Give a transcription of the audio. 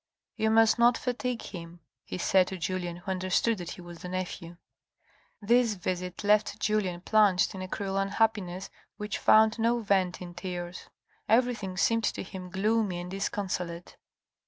" You must not fatigue him," he said to Julien, who understood that he was the nephew. This visit left Julien plunged in a cruel unhappiness which found no vent in tears. Everything seemed to him gloomy and disconsolate.